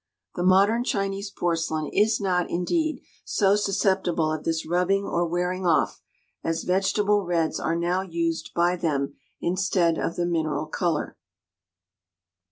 The modern chinese porcelain is not, indeed, so susceptible of this rubbing or wearing off, as vegetable reds are now used by them instead of the mineral colour.